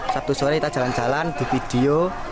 sabtu sore kita jalan jalan di video